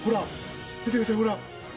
見てくださいほら。